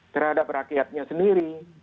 terhadap rakyatnya sendiri